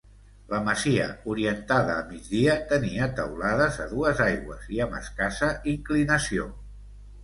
La masia, orientada a migdia, tenia teulada a dues aigües i amb escassa inclinació.